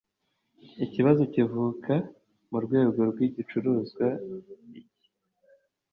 ikibazo kivuka mu rwego rw igicuruzwa iki